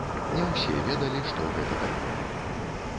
Не ўсе ведалі, што гэта такое.